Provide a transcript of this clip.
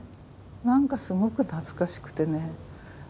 何かすごく懐かしくてね。